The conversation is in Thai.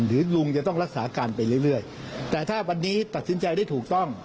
ลุงจะต้องรักษาการไปเรื่อยแต่ถ้าวันนี้ตัดสินใจได้ถูกต้อง